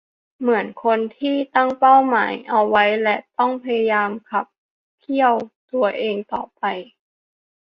เหมือนคนที่ตั้งเป้าหมายเอาไว้และต้องพยายามขับเคี่ยวตัวเองต่อไป